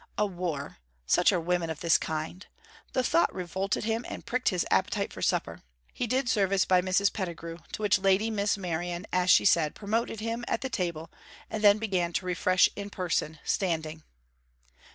A war! Such are women of this kind! The thought revolted him, and pricked his appetite for supper. He did service by Mrs. Pettigrew, to which lady Miss Merion, as she said, promoted him, at the table, and then began to refresh in person, standing.